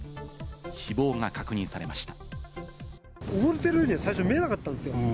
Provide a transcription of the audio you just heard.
死亡が確認されました。